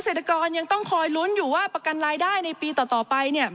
เศรษฐกรยังต้องคอยลุ้นอยู่ว่าประกันรายได้ในปีต่อไปเนี่ย